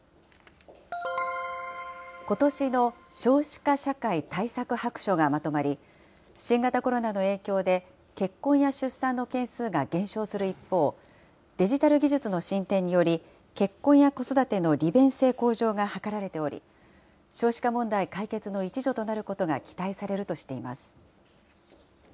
ことしの少子化社会対策白書がまとまり、新型コロナの影響で結婚や出産の件数が減少する一方、デジタル技術の進展により、結婚や子育ての利便性向上が図られており、少子化問題解決の一助となることが期待されるとしています。